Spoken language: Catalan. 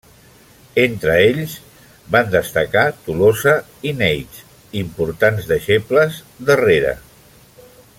Entre ells van destacar Tolosa i Nates, importants deixebles d'Herrera.